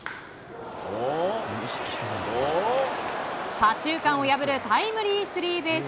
左中間を破るタイムリースリーベース。